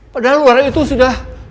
padahal ular itu sudah